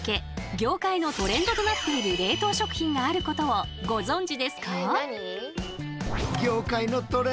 業界のトレンドとなっている冷凍食品があることをご存じですか？